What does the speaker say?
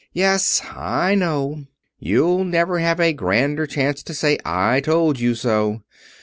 "Yes, I know. You'll never have a grander chance to say 'I told you so.'